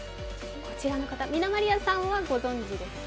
こらちの方、みなまりあさんはご存じですか？